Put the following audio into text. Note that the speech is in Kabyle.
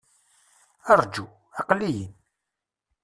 Rǧu! Aql-i-in!